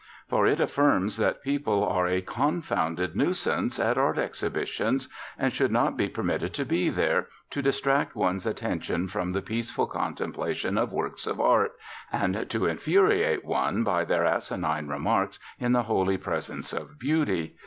For it affirms that people are a confounded nuisance at art exhibitions, and should not be permitted to be there, to distract one's attention from the peaceful contemplation of works of art, and to infuriate one by their asinine remarks in the holy presence of beauty.